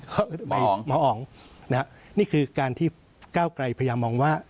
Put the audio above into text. หมออ๋องหมออ๋องนี่คือการที่ก้าวไกลพยายามมองว่า